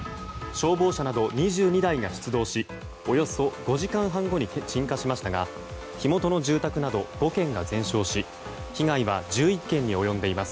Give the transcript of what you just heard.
消防車など２２台が出動しおよそ５時間半後に鎮火しましたが火元の住宅など５軒が全焼し被害は１１軒に及んでいます。